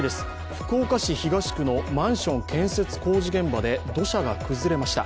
福岡市東区のマンション建設工事現場で土砂が崩れました。